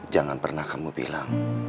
jangan pernah kamu bilang